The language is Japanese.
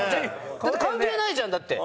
だって関係ないじゃんだって。